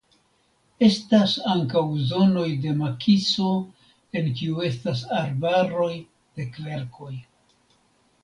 Estas ankaŭ zonoj de makiso en kiu estas arbaroj de kverkoj.